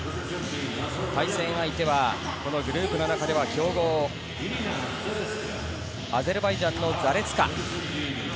対戦相手はグループの中では強豪、アゼルバイジャンのザレツカ。